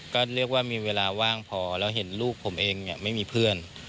ก็เรียกว่ามีเวลาว่างพอแล้วเห็นลูกผมเองไม่มีเพื่อน